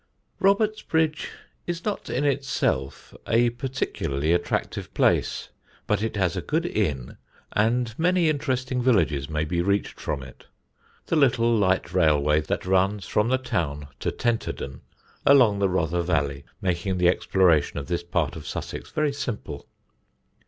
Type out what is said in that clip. Robertsbridge is not in itself a particularly attractive place; but it has a good inn, and many interesting villages may be reached from it, the little light railway that runs from the town to Tenterden, along the Rother valley, making the exploration of this part of Sussex very simple.